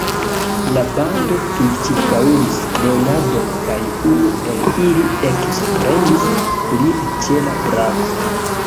La bando tuj ĉirkaŭis Leonardon, kaj unu el ili ekprenis lin ĉe la brako.